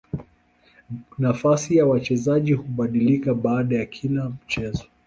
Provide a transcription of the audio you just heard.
Nafasi ya wachezaji hubadilika baada ya kila mchezo.